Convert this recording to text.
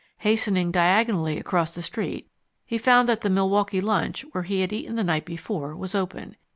Hastening diagonally across the street, he found that the Milwaukee Lunch, where he had eaten the night before, was open.